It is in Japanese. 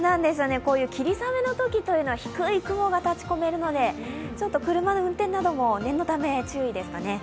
霧雨のときは低い雲が立ち込めるので、車で運転なども念のため注意ですかね。